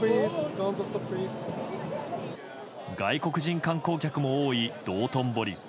外国人観光客も多い道頓堀。